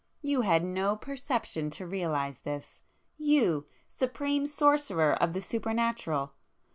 You had no perception to realize this,—you, supreme scorner of the Supernatural!